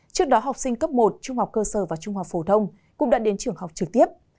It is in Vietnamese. trước đó học sinh cấp một trung học cơ sở và trung học phổ thông cũng đã đến trường học trực tiếp